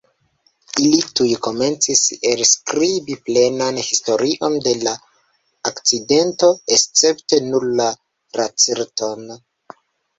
Ili tuj komencis elskribi plenan historion de la akcidento, escepte nur la Lacerton.